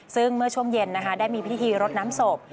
ซึ่งเมื่อช่วงเย็นนะคะได้มีพิธีรดน้ำศพ